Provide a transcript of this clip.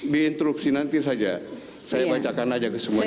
di interupsi nanti saja saya bacakan aja ke semuanya